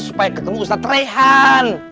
supaya ketemu ustad rehan